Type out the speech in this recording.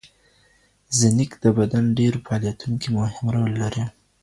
زینک د بدن ډېرو فعالیتونو کې مهم رول لري.